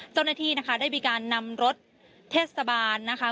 เจ้าหน้าที่นะคะได้มีการนำรถเทศบาลนะคะ